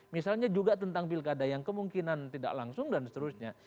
misalnya juga tentang pilkada yang kemungkinan tidak langsung dan seterusnya